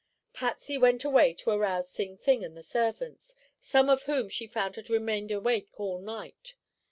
Patsy went away to arouse Sing Fing and the servants, some of whom she found had remained awake all night.